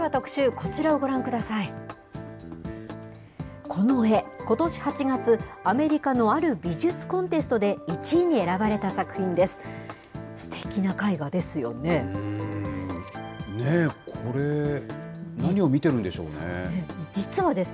この絵、ことし８月、アメリカのある美術コンテストで１位に選ばれた作品です。